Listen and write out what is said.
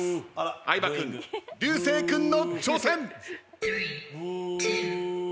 相葉君流星君の挑戦！